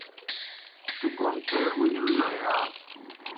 تُوْ کوْم تھے اُنِلوْنوئے یا؟